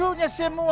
aku mau ke kantor